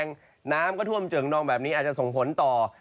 น้ำก็ท่วมเจิงนองแบบนี้อาจจะส่งผลต่อ